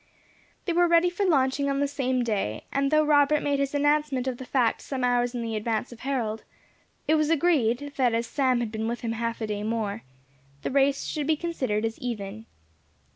They were ready for launching on the same day; and though Robert made his announcement of the fact some hours in the advance of Harold, it was agreed, that as Sam had been with him half a day more, the race should be considered as even.